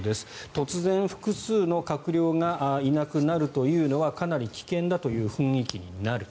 突然、複数の閣僚がいなくなるというのはかなり危険だという雰囲気になる。